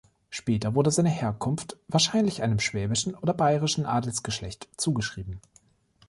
Später wurde seine Herkunft wahrscheinlich einem schwäbischen oder bayrischen Adelsgeschlecht zugeschrieben.